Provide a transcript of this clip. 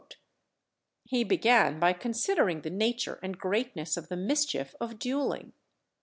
He began by considering the nature and greatness of the mischief of duelling.